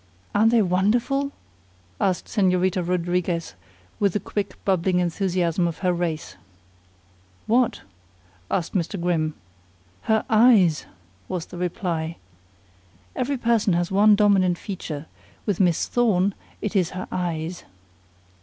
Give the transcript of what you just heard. "Aren't they wonderful?" asked Señorita Rodriguez with the quick, bubbling enthusiasm of her race. "What?" asked Mr. Grimm. "Her eyes," was the reply. "Every person has one dominant feature with Miss Thorne it is her eyes."